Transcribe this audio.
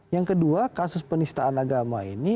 yang kedua kasus penistaan agama ini